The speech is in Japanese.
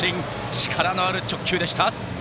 力のある直球でした。